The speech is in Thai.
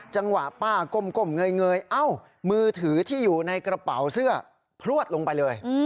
จังหวะป้าก้มเงยเอ้ามือถือที่อยู่ในกระเป๋าเสื้อพลวดลงไปเลย